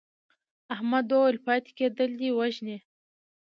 احمد وویل پاتې کېدل دې وژني.